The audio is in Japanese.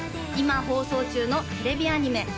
今放送中のテレビアニメ